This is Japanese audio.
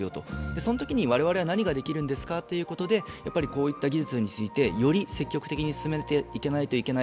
そのときに我々は何ができるんですかということでこういった技術についてより積極的に進めないといけない。